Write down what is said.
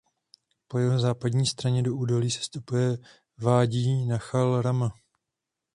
Po jeho západní straně do údolí sestupuje vádí Nachal Rama.